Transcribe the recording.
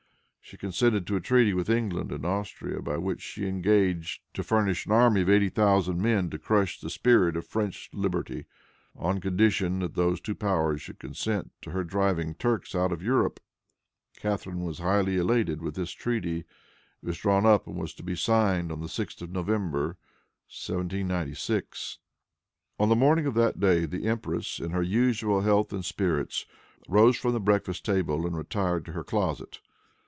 She consented to a treaty with England and Austria, by which she engaged to furnish an army of eighty thousand men to crush the spirit of French liberty, on condition that those two powers should consent to her driving Turks out of Europe. Catharine was highly elated with this treaty. It was drawn up and was to be signed on the 6th of November, 1796. On the morning of that day the empress, in her usual health and spirits, rose from the breakfast table, and retired to her closet.